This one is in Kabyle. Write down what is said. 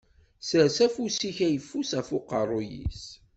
Sers afus-ik ayeffus ɣef uqerru-s.